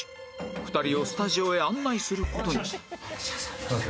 ２人をスタジオへ案内する事に